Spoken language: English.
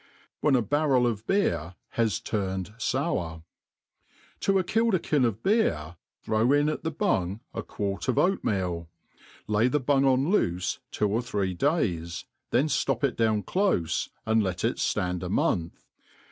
, ffhen a Barrel 9fBeer has iurmd Solar. TO a kilderkin of beer throw in at the buhg a quart of oat kneal^ lay the bung on loofe two or three days, then ftop it down clofe^ and let it ftand a ciionth.